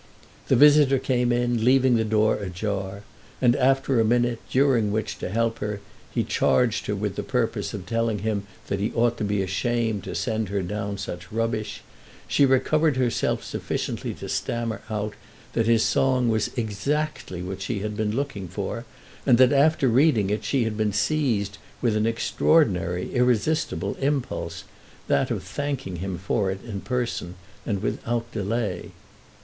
The visitor came in, leaving the door ajar, and after a minute during which, to help her, he charged her with the purpose of telling him that he ought to be ashamed to send her down such rubbish, she recovered herself sufficiently to stammer out that his song was exactly what she had been looking for and that after reading it she had been seized with an extraordinary, irresistible impulse—that of thanking him for it in person and without delay.